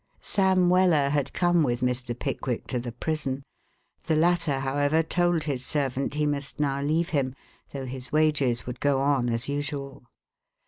Sam Weller had come with Mr. Pickwick to the prison. The latter, however, told his servant he must now leave him, though his wages would go on as usual.